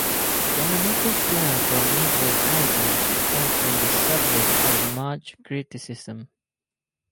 Yamamoto's plan for Midway Island has been the subject of much criticism.